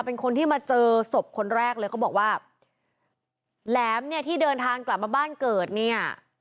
เป็นคนที่มาเจอศพคนแรกเลยเขาบอกว่าแหลมเนี่ยที่เดินทางกลับมาบ้านเกิดเนี่ย